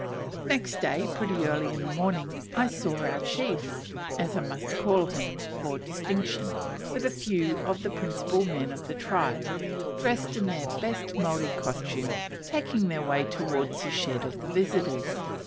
Next day, pretty early in the morning, I saw our chief (as I must call him for distinction) with a few of the principal men of the tribe, dressed in their best Maori costume, taking their way towards the shed of the visitors.